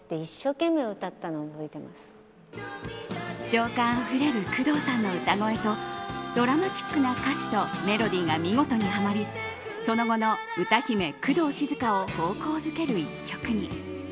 情感あふれる工藤さんの歌声とドラマチックな歌詞とメロディーが見事にハマりその後の歌姫・工藤静香を方向づける一曲に。